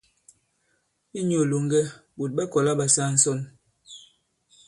Inyū ilòŋgɛ, ɓòt ɓa kɔ̀la ɓa saa ǹsɔn.